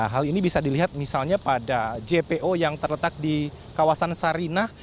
hal ini bisa dilihat misalnya pada jpo yang terletak di kawasan sarinah